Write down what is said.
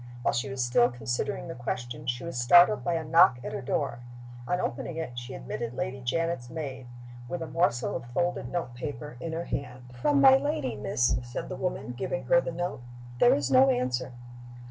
While she was still considering the question she was startled by a knock at her door. On opening it she admitted Lady Janet's maid, with a morsel of folded note paper in her hand. "From my lady, miss," said the woman, giving her the note. "There is no answer."